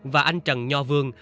và anh trần nho vương